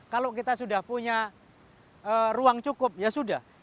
kalau kita sudah punya ruang cukup ya sudah